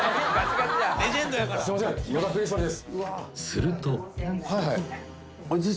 ［すると］